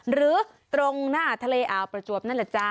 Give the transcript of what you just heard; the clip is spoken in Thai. หรือตรงหน้าทะเลอ่าวประจวบนั่นแหละจ๊ะ